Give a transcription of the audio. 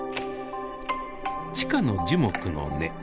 地下の樹木の根。